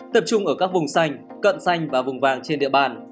tập trung ở các vùng xanh cận xanh và vùng vàng trên địa bàn